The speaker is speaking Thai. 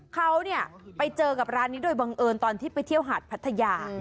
เขาไปเจอกับร้านนี้โดยบังเอิญตอนที่ไปเที่ยวหาดพัทยา